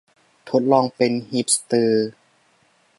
ทดลองเป็นฮิปสเตอร์